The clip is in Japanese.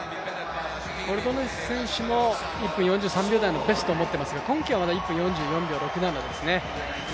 オルドニェス選手も１分４３秒台のベストを持ってますが今季はまだ１分４４秒６７ですね。